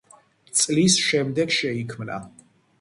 წლის შემდეგ შეიქმნა.